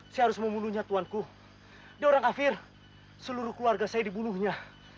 sampai jumpa di video selanjutnya